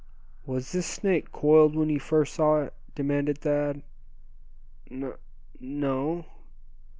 "Was this snake coiled when you first saw it?" demanded Thad. "N no."